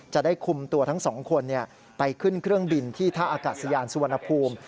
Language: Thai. จะได้คุมตัวทั้งสองคนไปขึ้นเครื่องบินที่ท่าอากาศยานสุวรรณภูมิ